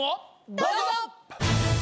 どうぞ！